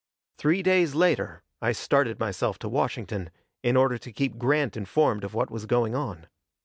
Three days later I started myself to Washington, in order to keep Grant informed of what was going on.